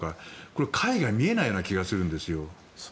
これは解が見えないような気がするんですよ。